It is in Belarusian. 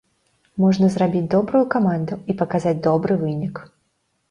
Можна зрабіць добрую каманду і паказаць добры вынік.